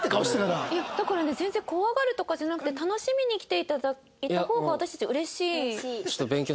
いやだからね全然怖がるとかじゃなくて楽しみに来ていただいた方が私たちはうれしい。